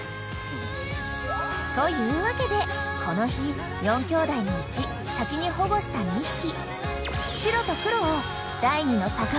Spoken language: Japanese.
［というわけでこの日４きょうだいのうち先に保護した２匹］